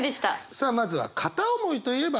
さあまずは片思いといえばあの曲。